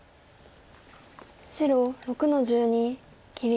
白６の十二切り。